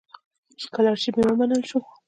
سکالرشیپ مې ومنل شو.